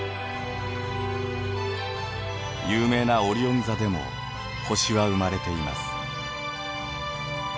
有名なオリオン座でも星は生まれています。